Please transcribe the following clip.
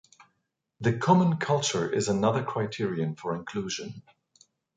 The common culture is another criterion for inclusion.